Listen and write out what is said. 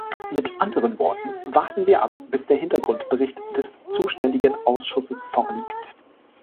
Mit anderen Worten, warten wir ab, bis der Hintergrundbericht des zuständigen Ausschusses vorliegt.